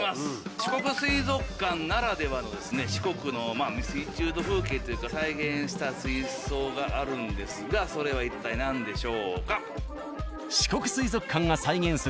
四国水族館ならではのですね四国のまあ水中の風景というか再現した水槽があるんですがそれは一体何でしょうか？